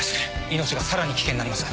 「命がさらに危険になります」